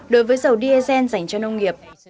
đối với dầu diesel dành cho nông nghiệp